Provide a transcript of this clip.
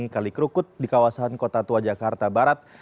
kali kerukut di kawasan kota tua jakarta barat